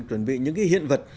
chuẩn bị những cái hiện vật